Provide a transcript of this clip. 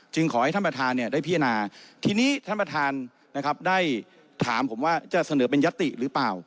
ขอให้ท่านประธานได้พิจารณาทีนี้ท่านประธานนะครับได้ถามผมว่าจะเสนอเป็นยติหรือเปล่า